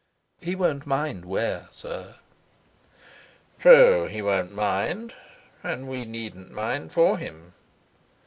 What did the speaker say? "He won't mind where, sir." "True, he won't mind, and we needn't mind for him."